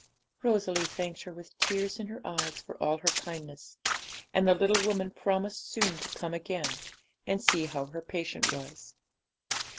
Rosalie thanked her with tears in her eyes for all her kindness; and the little woman promised soon to come again and see how her patient was.